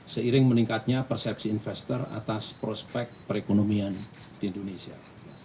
seiring meningkatnya persepsi investor atas prospek perekonomian di indonesia